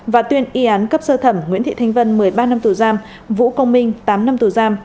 và tuyên y án cấp sơ thẩm nguyễn thị thanh vân một mươi ba năm tù giam vũ công minh tám năm tù giam